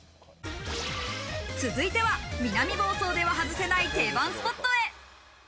続いては南房総では外せない定番スポットへ。